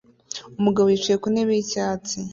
Umugabo yicaye ku ntebe yicyatsi